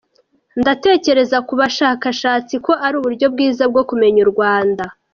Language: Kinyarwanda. Ndatekereza ku bashakashatsi ko ari uburyo bwiza bwo kumenya u Rwanda.